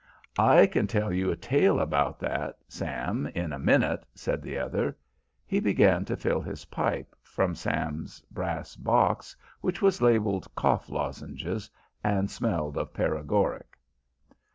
"I can tell you a tale about that, Sam, in a minute," said the other. He began to fill his pipe from Sam's brass box which was labelled cough lozenges and smelled of paregoric.